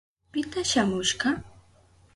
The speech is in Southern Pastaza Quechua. ¿Pita shamushka?